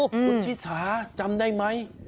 คุณชิสาจำได้ไหม